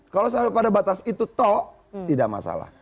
kalau sampai pada batas itu toh tidak masalah